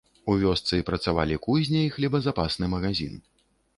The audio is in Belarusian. У вёсцы працавалі кузня і хлебазапасны магазін.